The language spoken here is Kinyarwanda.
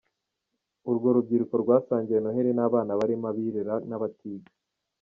Urwo rubyiruko rwasangiye Noheli n’ abana barimo abirera n’abatiga.